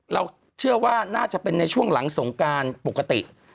เราเชื่อว่าน่าจะเป็นในช่วงหลังสงการปกติ